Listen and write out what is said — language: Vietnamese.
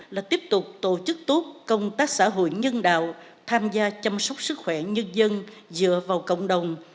là tiếp tục tổ chức tốt công tác xã hội nhân đạo tham gia chăm sóc sức khỏe nhân dân dựa vào cộng đồng